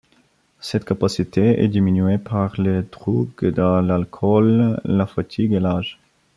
Cette capacité est diminuée par les drogues, l'alcool, la fatigue et l'âge.